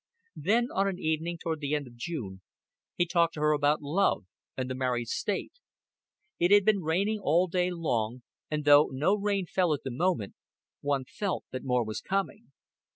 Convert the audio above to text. Thus on an evening toward the end of June he talked to her about love and the married state. It had been raining all day long, and though no rain fell at the moment, one felt that more was coming.